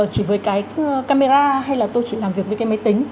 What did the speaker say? chỉ với cái camera hay là tôi chỉ làm việc với cái máy tính